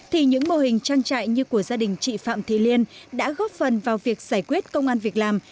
thì những mô hình trang trại như của gia đình chị phạm thị liên đã góp phần vào việc giải quyết công an việc làm